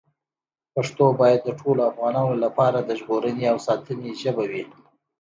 پښتو باید د ټولو افغانانو لپاره د ژغورنې او ساتنې ژبه وي.